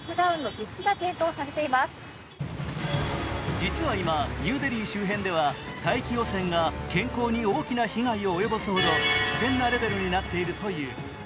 実は今、ニューデリー周辺では大気汚染が健康に大きな被害を及ぼすほど危険なレベルになっているという。